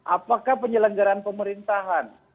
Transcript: apakah penyelenggaraan pemerintahan